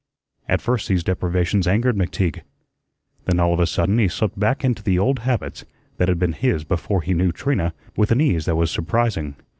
At first these deprivations angered McTeague. Then, all of a sudden, he slipped back into the old habits (that had been his before he knew Trina) with an ease that was surprising.